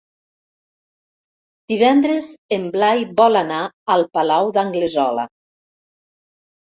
Divendres en Blai vol anar al Palau d'Anglesola.